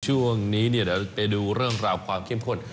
ช่วงนี้เดี๋ยวไปดูเรื่องราวความเข้มข้น